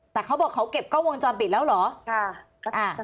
แต่เขาบอกเขาเก็บกล้องวงจรปิดแล้วเหรอ